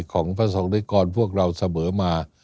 ของพระสงคริกรพวกเราเสมอมา